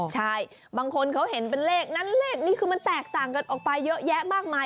ใช่บางคนเขาเห็นเป็นเลขนั้นเลขนี้คือมันแตกต่างกันออกไปเยอะแยะมากมาย